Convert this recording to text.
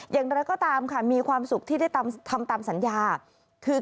อย่างไรก็ตามค่ะมีความสุขที่ได้ทำตามสัญญาคือ